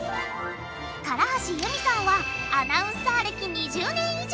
唐橋ユミさんはアナウンサー歴２０年以上！